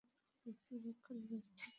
রোজকার এই ইঁদুরের যন্ত্রণা আমি সইতে পারছি না।